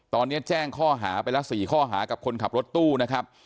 ตอนนี้แจ้งข้อหาไปละ๔ข้อหากับคนขับรถตู้นะครับ